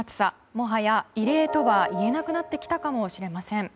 もはや異例とは言えなくなってきたかもしれません。